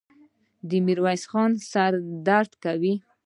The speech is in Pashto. د ميرويس خان سر درد کاوه.